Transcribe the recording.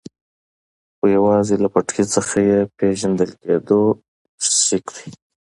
خو یوازې له پټکي څخه یې پېژندل کېدو چې سېک دی.